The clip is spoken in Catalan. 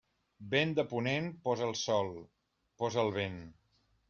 Vent de ponent: post el sol, post el vent.